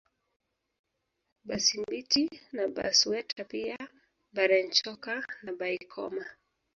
Basimbiti na Basweta pia Barenchoka na Baikoma